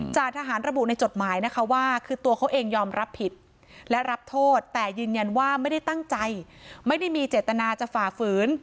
จ่าทหารระบุในจดหมายนะคะว่าคือตัวเขาเองยอมรับผิดและรับโทษแต่ยืนยันว่าไม่ได้ตั้งใจไม่ได้มีเจตนาจะฝ่าฝืน